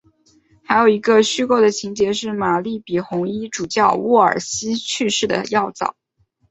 还有一个虚构的情节是玛丽比红衣主教沃尔西去世的要早。